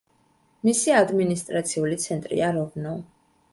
მისი ადმინისტრაციული ცენტრია როვნო.